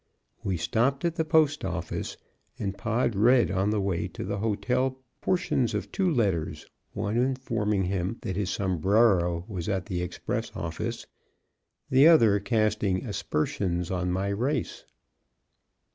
We stopped at the post office, and Pod read on the way to the hotel portions of two letters, one informing him that his sombrero was at the express office, the other casting aspersions on my race.